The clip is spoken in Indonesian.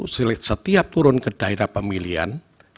sulit setiap turun ke daerah pemilihan